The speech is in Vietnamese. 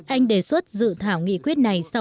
anh đề xuất dự thảo nghị quyết này